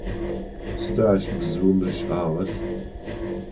Сыда ащ бзыум ришӏагъэр?